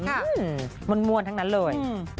อื้อมวลทั้งนั้นเลย